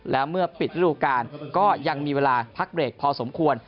แล้วเมื่อปิดฤดูการก็ยังมีเวลาพักเบรกพอสมควร